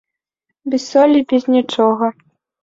Без солі, без нічога.